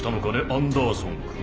アンダーソンくん。